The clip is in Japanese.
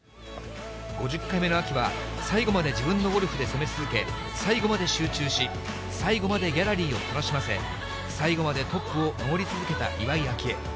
５０回目の秋は、最後まで自分のゴルフで攻め続け、最後まで集中し、最後までギャラリーを楽しませ、最後までトップを守り続けた岩井明愛。